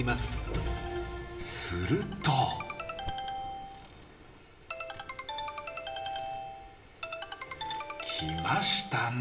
すると。来ましたね。